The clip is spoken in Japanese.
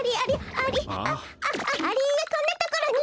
あっあっありがこんなところに！